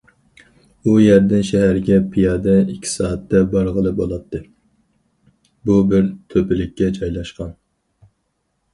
ئۇ يەردىن شەھەرگە پىيادە ئىككى سائەتتە بارغىلى بولاتتى، بۇ، بىر تۆپىلىككە جايلاشقان.